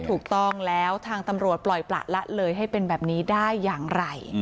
ถูกต้องแล้วทางตำรวจปล่อยประละเลยให้เป็นแบบนี้ได้อย่างไร